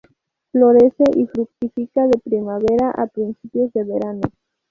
Florece y fructifica de primavera a principios del verano.